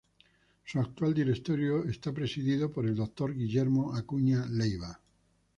Su actual directorio es presidido por el Dr. Guillermo Acuña Leiva.